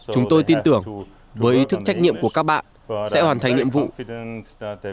chúng tôi tin tưởng với ý thức trách nhiệm của các bạn sẽ hoàn thành những chuyện này